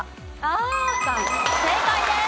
正解です。